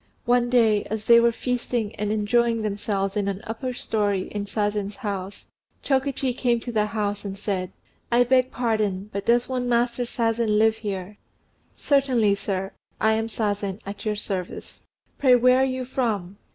One day, as they were feasting and enjoying themselves in an upper storey in Sazen's house, Chokichi came to the house and said, "I beg pardon; but does one Master Sazen live here?" "Certainly, sir: I am Sazen, at your service. Pray where are you from?"